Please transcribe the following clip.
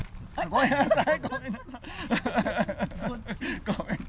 ごめんなさい。